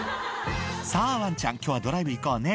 さあ、わんちゃん、きょうはドライブ行こうね。